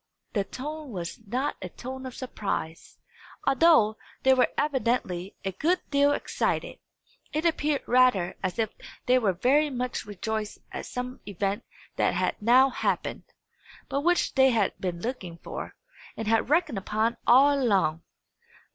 The tone was not a tone of surprise, although they were evidently a good deal excited; it appeared rather as if they were very much rejoiced at some event that had now happened, but which they had been looking for, and had reckoned upon all along.